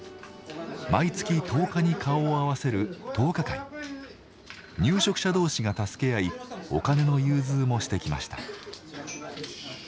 毎月十日に顔を合わせる入植者同士が助け合いお金の融通もしてきました。